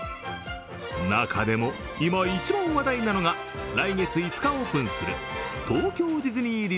中でも今一番話題なのが、来月５日オープンする東京ディズニー